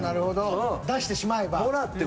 出してしまえばと。